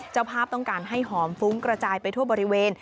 เจ้าภาพต้องการให้หอมฟุ้งกระจายไปทั่วบริเวณ